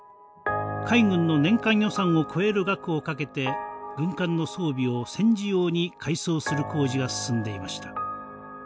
海軍の年間予算を超える額をかけて軍艦の装備を戦時用に改装する工事が進んでいました。